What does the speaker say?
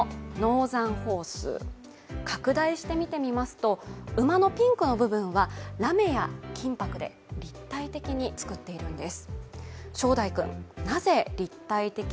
拡大して見てみますと、馬のピンクの部分はラメは金ぱくで立体的に作っているんです。